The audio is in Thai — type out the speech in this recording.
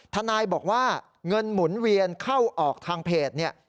ทนายบอกว่าเงินหมุนเวียนเข้าออกทางเพจเนี่ย